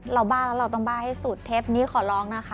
เราต้องบ้าให้สูตรเทปนี้ขอร้องนะคะ